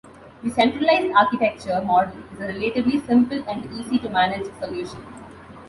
The centralised architecture model is a relatively simple and easy to manage solution.